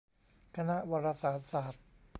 คณะวารสารศาสตร์